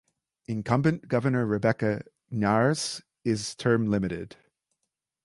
Incumbent Governor Rebecca Ynares is term limited.